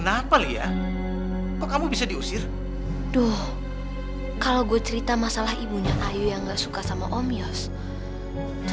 mau harus kembali ke waktu